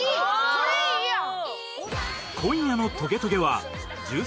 これいいやん！